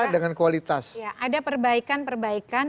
dengan kualitas ada perbaikan perbaikan